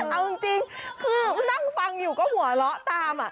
เอาจริงคือนั่งฟังอยู่ก็หัวเราะตาม